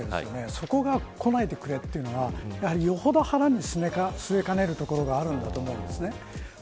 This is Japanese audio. そこが来ないでくれというのはよほど腹に据えかねるところがあるんだと思うんですね。